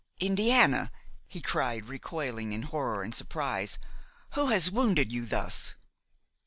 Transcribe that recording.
"Indiana!" he cried, recoiling in horror and surprise; "who has wounded you thus?"